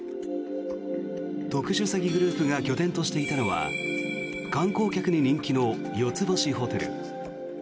特殊詐欺グループが拠点としていたのは観光客に人気の４つ星ホテル。